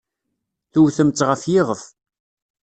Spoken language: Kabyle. Tewtem-tt ɣer yiɣef.